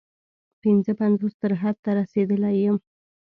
پنځه پنځوس تر حد ته رسېدلی یم.